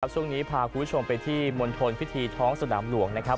ช่วงนี้พาคุณผู้ชมไปที่มณฑลพิธีท้องสนามหลวงนะครับ